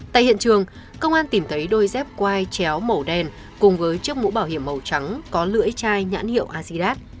tại hiện trường công an tìm thấy đôi dép quai chéo màu đen cùng với chiếc mũ bảo hiểm màu trắng có lưỡi chai nhãn hiệu asidat